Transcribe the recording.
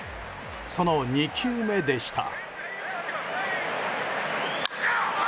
その２球目でした。